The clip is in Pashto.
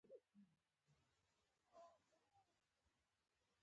اکبرجان ټوله کیسه ورته وکړه پاچا ته حال ویل.